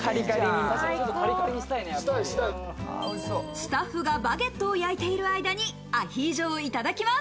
スタッフがバゲットを焼いてる間にアヒージョをいただきます。